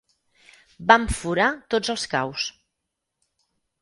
Vam furar tots els caus.